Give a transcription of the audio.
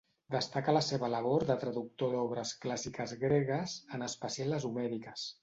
Destaca la seva labor de traductor d'obres clàssiques gregues, en especial les homèriques.